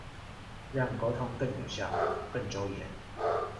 讓溝通更有效、更周延